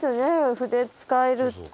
筆使えるって。